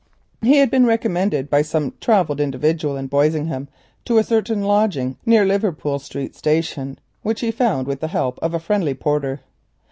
He had been recommended by some travelled individual in Boisingham to a certain lodging near Liverpool Street Station, which he found with the help of a friendly porter.